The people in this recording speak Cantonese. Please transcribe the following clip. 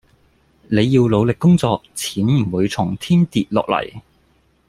你要努力工作錢唔會從天跌落嚟